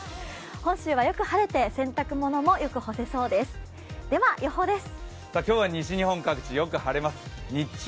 本州はよく晴れて洗濯物もよく干せそうです。